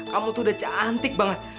kamu tuh udah cantik banget